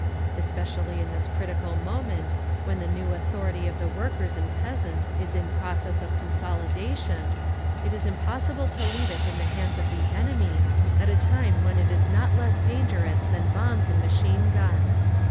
Especially in this critical moment, when the new authority of the workers and peasants is in process of consolidation, it is impossible to leave it in the hands of the enemy, at a time when it is not less dangerous than bombs and machine guns.